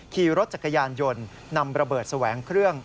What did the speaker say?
ขี่รถจักรยานยนต์นำระเบิดแสวงเครื่อง